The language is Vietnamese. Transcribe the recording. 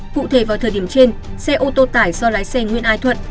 cụ thể vào thời điểm trên xe ô tô tải do lái xe nguyễn ai thuận